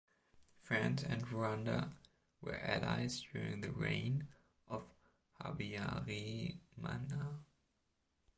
France and Rwanda were allies during the reign of Habyarimana.